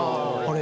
あ。